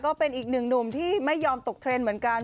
ก็เป็นอีกหนึ่งหนุ่มที่ไม่ยอมตกเทรนด์เหมือนกัน